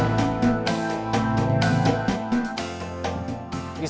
teteh mau ke kantor polisi